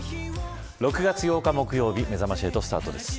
６月８日木曜日めざまし８スタートです。